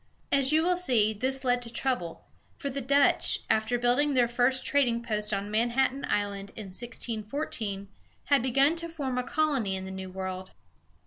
As you will see, this led to trouble; for the Dutch, after building their first trading post on Manhattan Island, in 1614, had begun to form a colony in the New World.